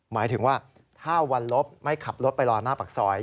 หมายถึงว่าถ้าวันลบไม่ขับรถไปรอหน้าปากซอย